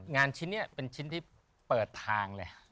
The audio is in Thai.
งานชิ้นนี้เป็นชิ้นที่เปิดทางเลย